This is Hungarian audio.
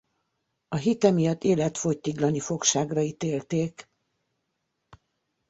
A hite miatt életfogytiglani fogságra ítélték.